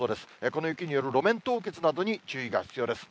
この雪による路面凍結などに注意が必要です。